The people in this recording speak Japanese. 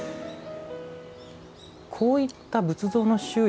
こういった仏像の修理